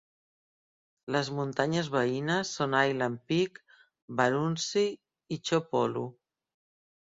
Les muntanyes veïnes són Island Peak, Baruntse i Cho Polu.